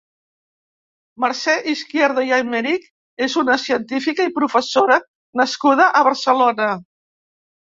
Mercè Izquierdo i Aymerich és una científica i professora nascuda a Barcelona.